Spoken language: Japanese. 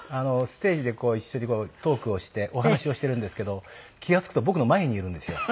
ステージで一緒にトークをしてお話をしてるんですけど気が付くと僕の前にいるんですよ。